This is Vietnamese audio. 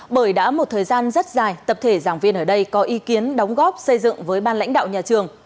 bởi đã một thời gian rất dài tập thể giảng viên ở đây có ý kiến đóng góp xây dựng với ban lãnh đạo nhà trường